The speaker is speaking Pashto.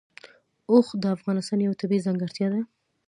اوښ د افغانستان یوه طبیعي ځانګړتیا ده.